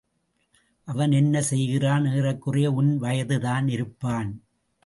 அவன் என்ன செய்கிறான்? ஏறக்குறைய உன் வயதுதான் இருப்பான்.